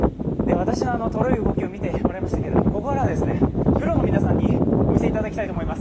私のとろい動きを見ていただきまたけど、ここからはプロの皆さんにお見せいただきたいと思います。